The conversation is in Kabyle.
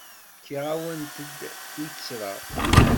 Fkiɣ-awent-d tuttra.